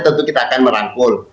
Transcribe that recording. tentu kita akan merangkul